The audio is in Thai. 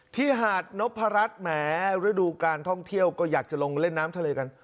หาดนพรัชแหมฤดูการท่องเที่ยวก็อยากจะลงเล่นน้ำทะเลกัน